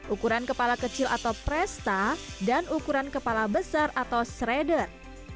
ukuran kepala kecil atau presta dan ukuran kepala besar atau shredder